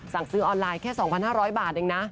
สั่งซื้อออนไลน์แค่๒๕๐๐บาทเองนะ